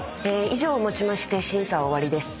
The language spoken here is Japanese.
以上をもちまして審査は終わりです。